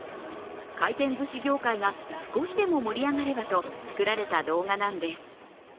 回転ずし業界が少しでも盛り上がればと作られた動画なんです。